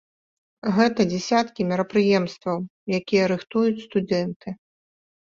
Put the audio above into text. Гэта дзясяткі мерапрыемстваў, якія рыхтуюць студэнты.